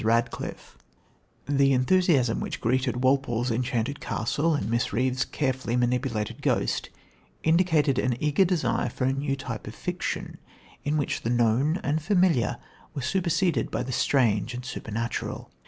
RADCLIFFE. The enthusiasm which greeted Walpole's enchanted castle and Miss Reeve's carefully manipulated ghost, indicated an eager desire for a new type of fiction in which the known and familiar were superseded by the strange and supernatural.